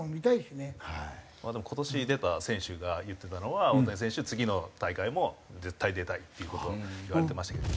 でも今年出た選手が言ってたのは大谷選手「次の大会も絶対出たい」っていう事を言われてましたけど。